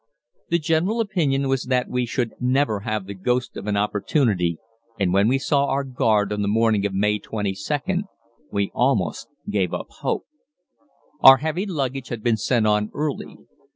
The general opinion was that we should never have the ghost of an opportunity, and when we saw our guard on the morning of May 22nd we almost gave up hope. Our heavy luggage had been sent on early.